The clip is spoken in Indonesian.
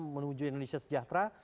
menuju indonesia sejahtera